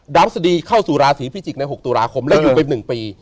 ดาวพระราชดีเข้าสุราษีพิจิกในหกตุลาคมและอยู่เป็นหนึ่งปี